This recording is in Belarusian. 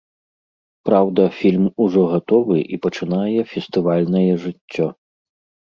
Праўда, фільм ужо гатовы і пачынае фестывальнае жыццё.